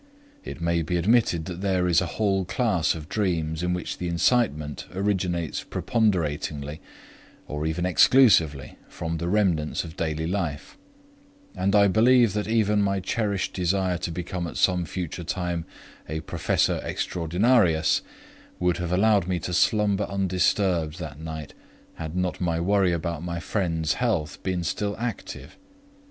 It may be admitted that there is a whole class of dreams in which the incitement originates preponderatingly or even exclusively from the remnants of daily life; and I believe that even my cherished desire to become at some future time a "professor extraordinarius" would have allowed me to slumber undisturbed that night had not my worry about my friend's health been still active.